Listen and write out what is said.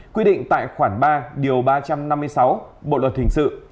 quy định tại khoản ba điều ba trăm năm mươi sáu bộ luật hình sự